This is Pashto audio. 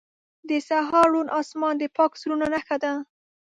• د سهار روڼ آسمان د پاک زړونو نښه ده.